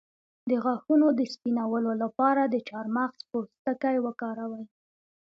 د غاښونو د سپینولو لپاره د چارمغز پوستکی وکاروئ